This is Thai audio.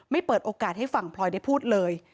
เปิดโอกาสให้ฝั่งพลอยได้พูดเลย